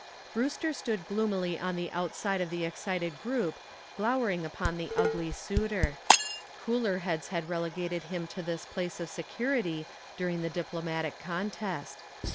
Brewster stood gloomily on the outside of the excited group glowering upon the ugly suitor. Cooler heads had relegated him to this place of security during the diplomatic contest.